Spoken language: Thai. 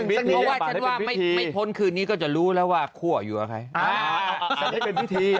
เพราะว่าฉันว่าไม่พ้นคืนนี้ก็จะรู้แล้วว่าคั่วอยู่กับใคร